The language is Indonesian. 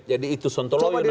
jadi itu sontoloyo namanya